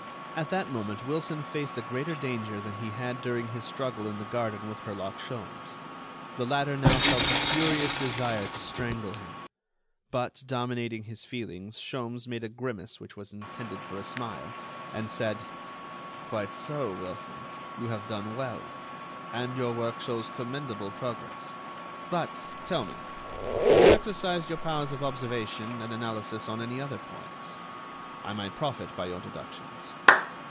At that moment Wilson faced a greater danger than he had during his struggle in the garden with Herlock Sholmes. The latter now felt a furious desire to strangle him. But, dominating his feelings, Sholmes made a grimace which was intended for a smile, and said: "Quite so, Wilson, you have done well, and your work shows commendable progress. But, tell me, have you exercised your powers of observation and analysis on any other points? I might profit by your deductions."